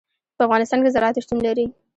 په افغانستان کې زراعت شتون لري.